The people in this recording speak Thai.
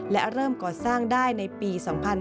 และเริ่มก่อสร้างได้ในปี๒๕๕๙